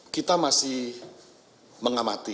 kita masih mengamati